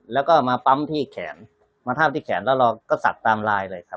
แล้วก็มาปั๊มที่แขนมาทาบที่แขนแล้วเราก็สักตามลายเลยครับ